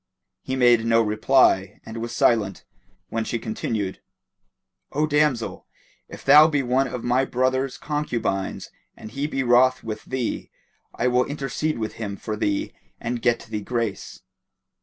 He made no reply, and was silent, when she continued, "O damsel! if thou be one of my brother's concubines and he be wroth with thee, I will intercede with him for thee and get thee grace."